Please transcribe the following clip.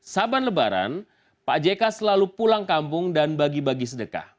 saban lebaran pak jk selalu pulang kampung dan bagi bagi sedekah